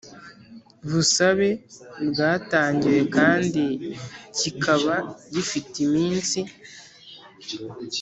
Busabe bwatangiwe kandi kikaba gifite iminsi